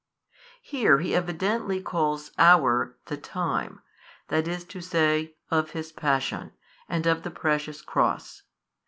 Here he evidently calls hour the time, i. e., of His Passion, and of the Precious Cross.